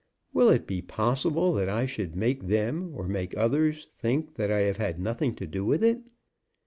Will it be possible that I should make them or make others think that I have had nothing to do with it?